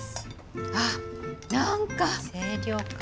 あっ何か清涼感。